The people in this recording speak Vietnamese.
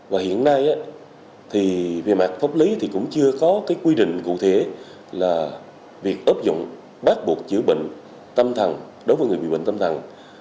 và hiện nay về mạng pháp lý thì cũng chưa có quy định cụ thể là việc ấp dụng bác buộc chữa bệnh tâm thần đối với người bị bệnh tâm thần